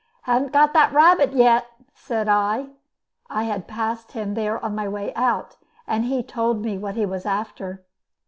"Haven't got that rabbit yet, eh?" said I. (I had passed him there on my way out, and he had told me what he was after.)